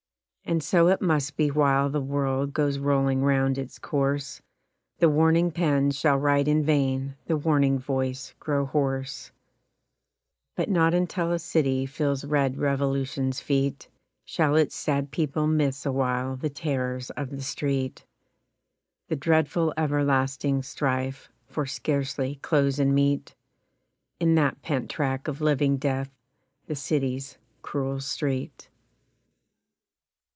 And so it must be while the world goes rolling round its course, The warning pen shall write in vain, the warning voice grow hoarse, But not until a city feels Red Revolution's feet Shall its sad people miss awhile the terrors of the street The dreadful everlasting strife For scarcely clothes and meat In that pent track of living death the city's cruel street.